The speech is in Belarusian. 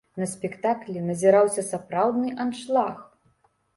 На спектаклі назіраўся сапраўдны аншлаг.